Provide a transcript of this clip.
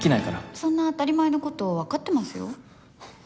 そんな当たり前の事わかってますよ。